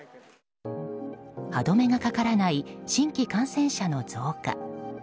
歯止めがかからない新規感染者の増加。